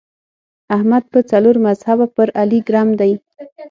احمد په څلور مذهبه پر علي ګرم دی.